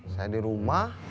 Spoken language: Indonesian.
saya di rumah